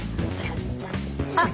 あっ！